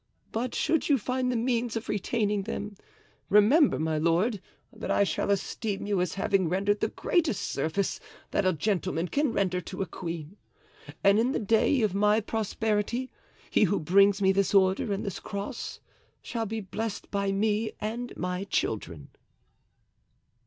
But should you find the means of retaining them, remember, my lord, that I shall esteem you as having rendered the greatest service that a gentleman can render to a queen; and in the day of my prosperity he who brings me this order and this cross shall be blessed by me and my children."